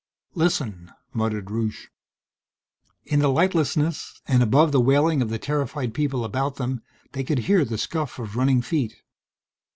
"Listen," muttered Rusche. In the lightlessness, and above the wailing of the terrified people about them, they could hear the scuff of running feet.